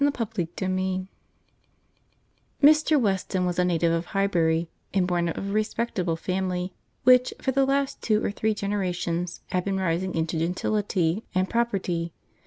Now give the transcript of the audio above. CHAPTER II Mr. Weston was a native of Highbury, and born of a respectable family, which for the last two or three generations had been rising into gentility and property.